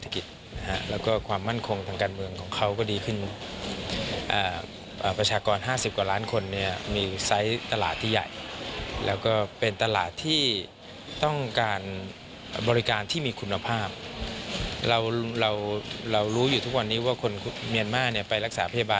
เขายินดีที่จะจ่ายสำนักคุณภาพ